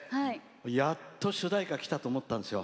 やっと主題歌がきたと思ったんですよ。